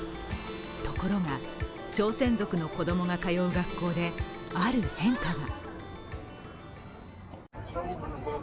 ところが、朝鮮族の子供が通う学校である変化が。